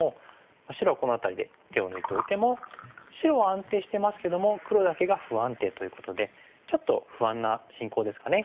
白はこの辺りで手を抜いておいても白は安定してますけども黒だけが不安定ということでちょっと不安な進行ですかね。